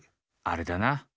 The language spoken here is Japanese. あれだな！